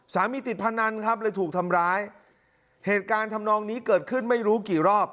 ติดพนันครับเลยถูกทำร้ายเหตุการณ์ทำนองนี้เกิดขึ้นไม่รู้กี่รอบ